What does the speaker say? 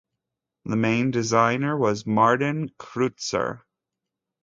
The main designer was Martin Kreutzer.